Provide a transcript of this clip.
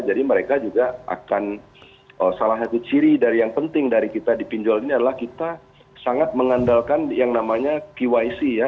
mereka juga akan salah satu ciri dari yang penting dari kita di pinjol ini adalah kita sangat mengandalkan yang namanya qic ya